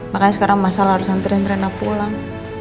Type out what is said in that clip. makanya sekarang mas salah harus nantikan rena pulang